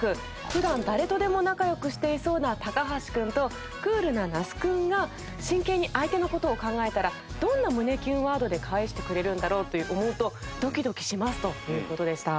普段誰とでも仲良くしていそうな橋君とクールな那須君が真剣に相手の事を考えたらどんな胸キュンワードで返してくれるんだろうって思うとドキドキしますという事でした。